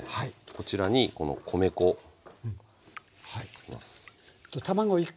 こちらにこの米粉入れます。